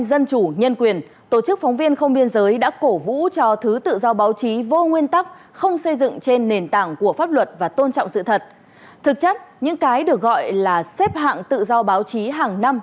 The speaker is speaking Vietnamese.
đối với các tổ chức phóng viên không biên giới đối với các tổ chức phóng viên không biên giới đối với các tổ chức phóng viên không biên giới